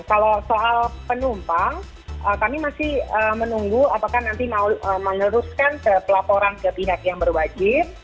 kalau soal penumpang kami masih menunggu apakah nanti mau meneruskan pelaporan ke pihak yang berwajib